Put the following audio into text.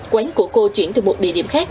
quán của cô chuyển từ một địa điểm khác